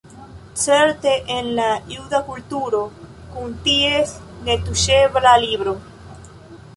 Certe en la juda kulturo, kun ties netuŝebla Libro.